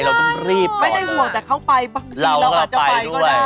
เราต้องรีบไม่ได้ห่วงแต่เขาไปบางทีเราอาจจะไปก็ได้